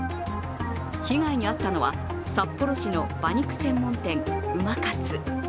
被害に遭ったのは、札幌市の馬肉専門店、馬活。